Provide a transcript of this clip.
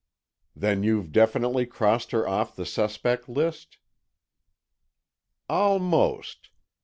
"Then you've definitely crossed her off the suspect list?" "Almost.